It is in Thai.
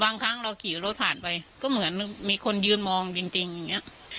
ครั้งเราขี่รถผ่านไปก็เหมือนมีคนยืนมองจริงอย่างนี้